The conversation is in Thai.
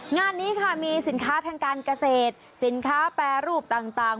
งานนี้ค่ะมีสินค้าทางการเกษตรสินค้าแปรรูปต่าง